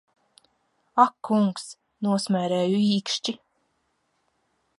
Ak kungs, nosmērēju īkšķi!